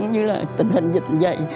như là tình hình dịch như vậy